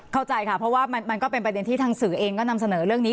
เข้าใจค่ะเพราะว่ามันก็เป็นประเด็นที่ทางสื่อเองก็นำเสนอเรื่องนี้